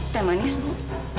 teh manis bu